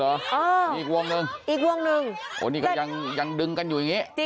มีอีกวงหนึ่งอีกวงหนึ่งโอ้นี่ก็ยังยังดึงกันอยู่อย่างนี้